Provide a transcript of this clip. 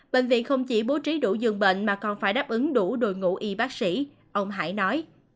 bệnh viện không chỉ bố trí đủ dường bệnh mà còn phải đáp ứng đủ đội ngũ y bác sĩ ông hải nói